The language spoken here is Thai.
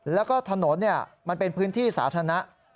แล้วก็ถนนมันเป็นพื้นที่สาธารณะ